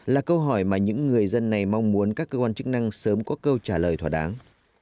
là câu hỏi mà những người dân này mong muốn các cơ quan chức năng sớm có câu trả lời thỏa đáng